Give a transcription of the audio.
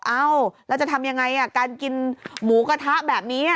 เอ้าแล้วจะทำยังไงการกินหมูกระทะแบบนี้